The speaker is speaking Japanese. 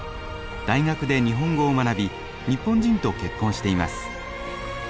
大学で日本語を学び日本人と結婚しています。